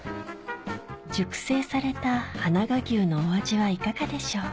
熟成されたはなが牛のお味はいかがでしょう？